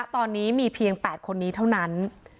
ตอนนี้มีเพียง๘คนนี้เท่านั้น